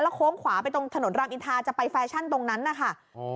โค้งขวาไปตรงถนนรามอินทาจะไปแฟชั่นตรงนั้นนะคะ